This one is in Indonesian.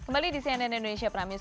kembali di cnn indonesia prime news